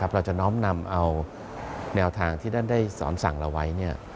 เราจะน้อมนำเอาแนวทางที่ท่านได้สอนสั่งเราไว้